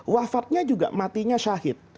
wafatnya juga matinya syahid